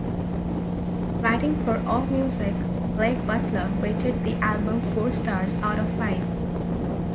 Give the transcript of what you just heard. Writing for AllMusic, Blake Butler rated the album four stars out of five.